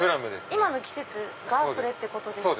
今の季節がそれってことですか？